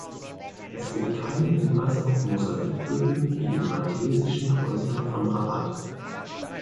Es gibt keine Hinweise auf Mosaikböden wie in maltesischen Häusern von Rabat.